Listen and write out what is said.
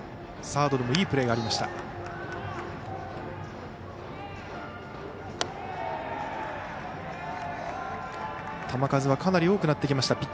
サードでもいいプレーがありました。